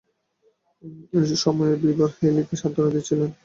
এই সময়ে বিবার হেইলিকে সান্ত্বনা দিচ্ছিলেন।